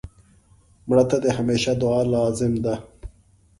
مړه ته د همېشه دعا لازم ده